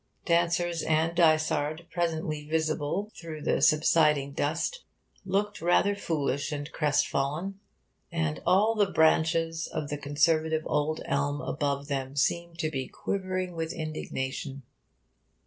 Dancers and dysard, presently visible through the subsiding dust, looked rather foolish and crestfallen. And all the branches of the conservative old elm above them seemed to be quivering with indignation.